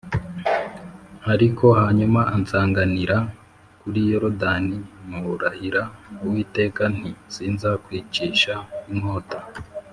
ariko hanyuma ansanganirira kuri Yorodani murahira Uwiteka nti ‘Sinzakwicisha inkota.’